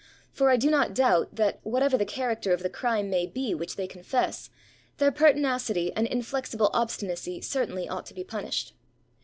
For I do not doubt that, whatever the character of the crime may be which they confess, their pertinacity and inflexible obstinacy certainly ought to be punished.